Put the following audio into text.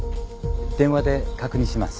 電話で確認します。